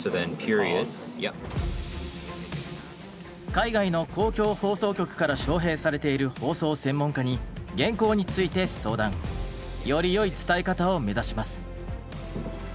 海外の公共放送局から招へいされている放送専門家に原稿について相談。よりよい伝え方を目指します。